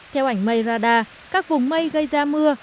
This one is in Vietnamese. theo ảnh mây radar các vùng mây gây ra mưa